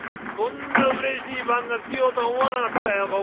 こんなうれしい晩が来ようとは思わなかったよ。